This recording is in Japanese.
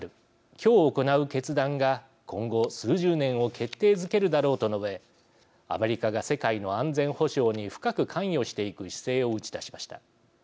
今日行う決断が今後数十年を決定づけるだろうと述べアメリカが世界の安全保障に深く関与していく姿勢を打ち出しました。